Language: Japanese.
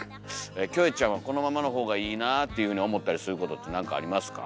キョエちゃんはこのままの方がいいなあっていうふうに思ったりすることって何かありますか？